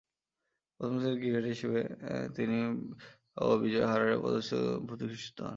প্রথম ক্রিকেটার হিসেবে তিনি ও বিজয় হাজারে পদ্মশ্রী পদকে ভূষিত হন।